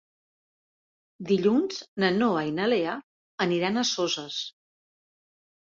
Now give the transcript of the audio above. Dilluns na Noa i na Lea aniran a Soses.